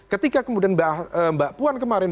ketika kemudian mbak puan kemarin